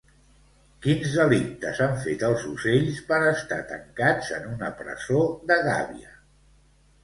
Quins delictes han fet els ocells per estar tancats en una presó de gàbia